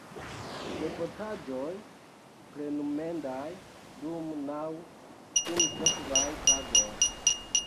Devotaĵoj plenumendaj dum naŭ sinsekvaj tagoj.